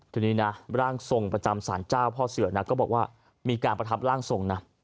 ทีนี้นะร่างทรงประจำสารเจ้าพ่อเสือนะก็บอกว่ามีการประทับร่างทรงนะ